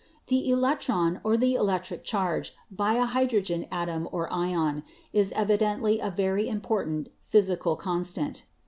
The electron or the elec tric charge by a hydrogen atom or ion is evidently a very important physical constant.'